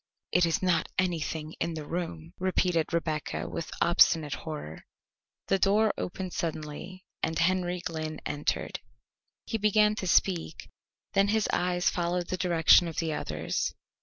"It is not anything in the room," repeated Rebecca with obstinate horror. The door opened suddenly and Henry Glynn entered. He began to speak, then his eyes followed the direction of the others'.